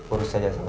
urus aja sama dia